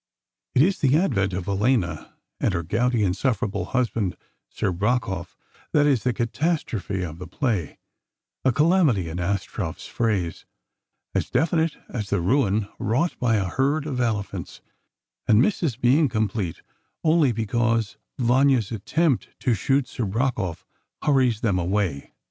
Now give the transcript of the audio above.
It is the advent of Helena, and her gouty, insufferable husband, Serebrakoff, that is the catastrophe of the play—a calamity, in Astroff's phrase, as definite as the ruin wrought by a herd of elephants—and misses being complete only because Vanya's attempt to shoot Serebrakoff hurries them away.